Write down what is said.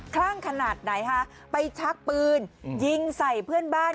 คลั่งขนาดไหนฮะไปชักปืนยิงใส่เพื่อนบ้าน